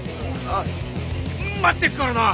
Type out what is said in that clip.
待ってっからな。